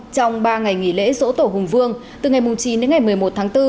trong ba ngày nghỉ lễ dỗ tổ hùng vương từ ngày chín đến ngày một mươi một tháng bốn